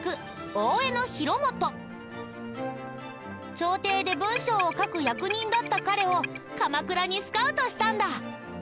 朝廷で文書を書く役人だった彼を鎌倉にスカウトしたんだ。